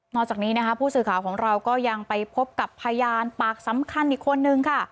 นอกจากนี้ผู้สื่อข่าวของเรายังไปพบกับพยานปากสำคัญอีกคนหนึ่ง